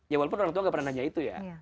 ya walaupun orang tua gak pernah nanya itu ya